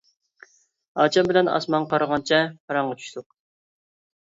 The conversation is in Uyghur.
ئاچام بىلەن ئاسمانغا قارىغانچە پاراڭغا چۈشتۇق.